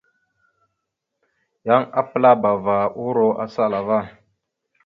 Yan apəlabava uro asala ava.